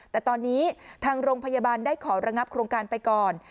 แต่ตอนนี้ทางโรงพยาบาลได้ขอระงับโครงการไปก่อน